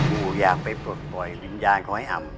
ปู่อยากไปปลดปล่อยวิญญาณของไอ้อำ